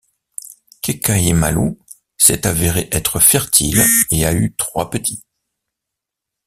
Kekaimalu s'est avérée être fertile et a eu trois petits.